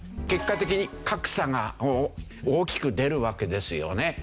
結果的に格差が大きく出るわけですよね。